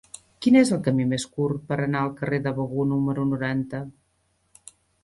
Quin és el camí més curt per anar al carrer de Begur número noranta?